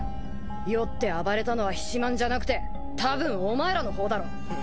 酔って暴れたのは菱万じゃなくてたぶんお前らの方だろ。